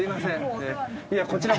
いやこちらこそ。